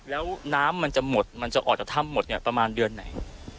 แล้วน้ำมันจะหมดมันจะออกจากถ้ำหมดเนี่ยประมาณเดือนไหน